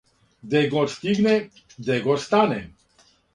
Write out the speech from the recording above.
Где год стигне, где год стане